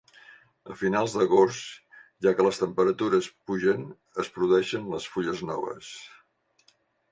A finals d'agost, ja que les temperatures pugen, es produeixen les fulles noves.